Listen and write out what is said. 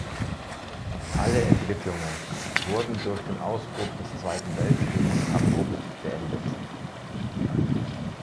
Alle Entwicklungen wurden durch den Ausbruch des Zweiten Weltkriegs abrupt beendet.